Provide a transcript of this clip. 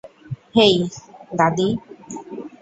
হেই, দাদী।